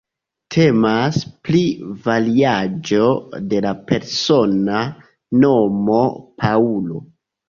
Temas pri variaĵo de la persona nomo "Paŭlo".